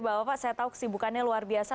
bapak bapak saya tahu kesibukannya luar biasa